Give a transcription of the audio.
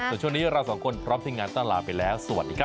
ส่วนช่วงนี้เราสองคนพร้อมทีมงานต้องลาไปแล้วสวัสดีครับ